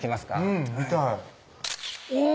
うん見たいおぉ！